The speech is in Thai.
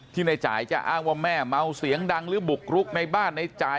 ในจ่ายจะอ้างว่าแม่เมาเสียงดังหรือบุกรุกในบ้านในจ่าย